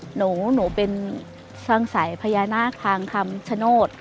หนูเป็นฟังสายพญานาคทางคำชโนธ